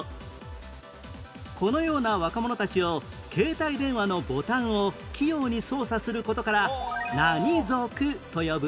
このような若者たちを携帯電話のボタンを器用に操作する事から何族と呼ぶ？